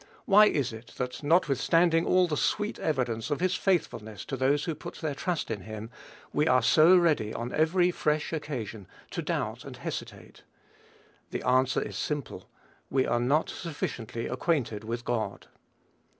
Why is it that, notwithstanding all the sweet evidence of his faithfulness to those who put their trust in him, we are so ready, on every fresh occasion, to doubt and hesitate? The answer is simple: we are not sufficiently acquainted with God.